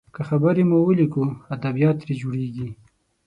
که خبرې مو وليکو، ادبيات ترې جوړیږي.